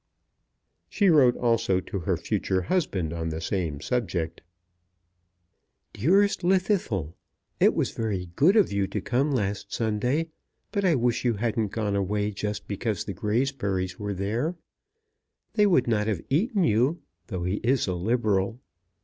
She wrote also to her future husband on the same subject; DEAREST LLWDDYTHLW, It was very good of you to come last Sunday, but I wish you hadn't gone away just because the Graiseburys were there. They would not have eaten you, though he is a Liberal.